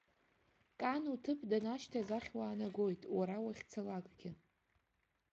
Кан уҭыԥ данашьҭаз ахь уаанагоит уара уахьцалакгьы.